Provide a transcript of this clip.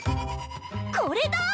これだ！